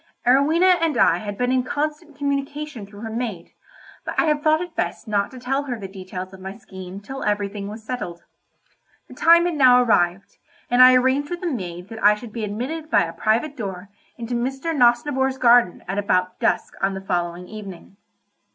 Arowhena and I had been in constant communication through her maid, but I had thought it best not to tell her the details of my scheme till everything was settled. The time had now arrived, and I arranged with the maid that I should be admitted by a private door into Mr. Nosnibor's garden at about dusk on the following evening.